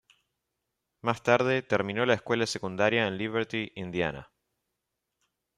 Más tarde, terminó la escuela secundaria en Liberty, Indiana.